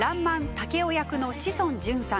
竹雄役の志尊淳さん